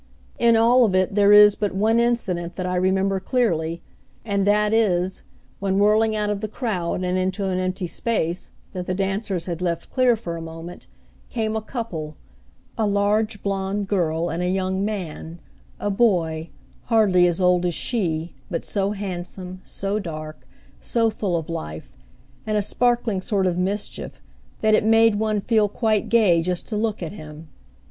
In all of it there is but one incident that I remember clearly; and that is, when whirling out of the crowd and into an empty space, that the dancers had left clear for a moment, came a couple a large blond girl and a young man, a boy, hardly as old as she, but so handsome, so dark, so full of life, and a sparkling sort of mischief, that it made one feel quite gay just to look at him.